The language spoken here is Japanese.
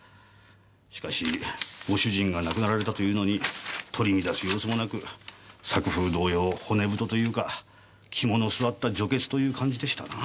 しかしご主人が亡くなられたというのに取り乱す様子もなく作風同様骨太というか肝の据わった女傑という感じでしたなぁ。